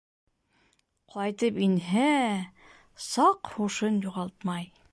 Ҡайтып инһә... саҡ һушын юғалтмай.